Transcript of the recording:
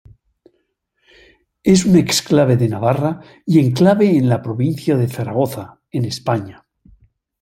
Es un exclave de Navarra y enclave en la provincia de Zaragoza, en España.